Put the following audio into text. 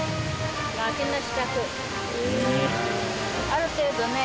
ある程度ね